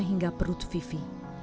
hingga perut vivi